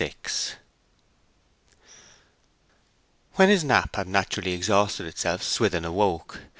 VI When his nap had naturally exhausted itself Swithin awoke.